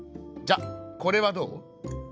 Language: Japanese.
「じゃあこれはどう？